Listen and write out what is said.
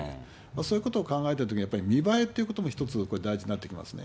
そういうことを考えたときにやっぱり、見栄えっていうことも一つ、これ、大事になってきますね。